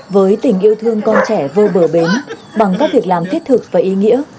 với tình yêu thương con trẻ vô bờ bến bằng các việc làm thiết thực và ý nghĩa